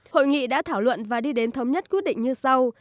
hội nghị đã thảo luận và đi đến thống nhất quyết định như sau